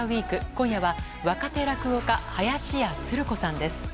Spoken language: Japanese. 今夜は若手落語家林家つる子さんです。